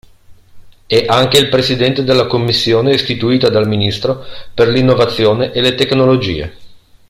È anche il Presidente della commissione istituita dal Ministro per l'Innovazione e le Tecnologie.